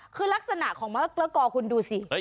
คือลักษณะของมะละกอคุณดูสิ